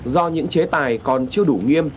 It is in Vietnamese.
do những chế tài còn chưa đủ nghiêm